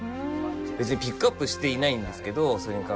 別にピックアップしていないんですけどそれに関しては。